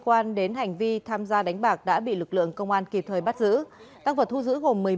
quan đến hành vi tham gia đánh bạc đã bị lực lượng công an kịp thời bắt giữ tang vật thu giữ gồm một mươi bảy